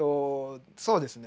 そうですね。